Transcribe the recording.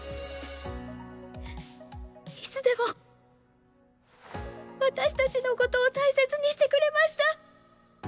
いつでも私たちのことを大切にしてくれました！